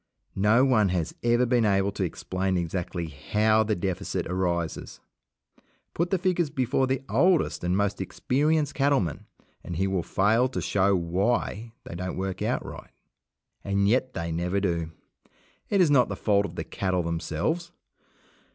No one has ever been able to explain exactly how the deficit arises. Put the figures before the oldest and most experienced cattleman, and he will fail to show why they don't work out right. And yet they never do. It is not the fault of the cattle themselves.